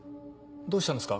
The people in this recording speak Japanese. どうしたんですか？